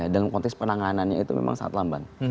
dalam konteks penanganannya itu memang sangat lamban